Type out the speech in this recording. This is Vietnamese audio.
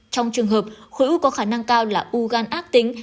trong trường hợp khối u có khả năng cao là u gan ác tính